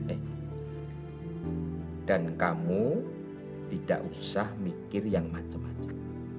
eh dan kamu tidak usah mikir yang macam macam